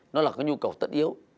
nó là cái nhu cầu tất yếu